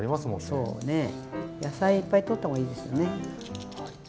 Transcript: そうね野菜いっぱいとったほうがいいですよね。